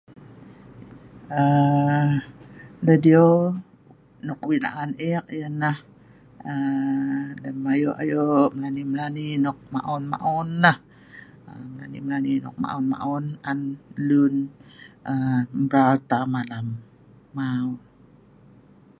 aa radio nok weik la'an ek ianah aa lem ayok ayok menani menani nok maon maon nah aa menani menani maon on lun aa mral tam alam, mau